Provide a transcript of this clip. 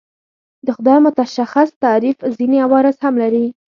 د خدای متشخص تعریف ځینې عوارض هم لري.